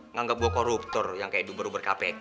nganggap gue koruptor yang kayak di umur umur kpk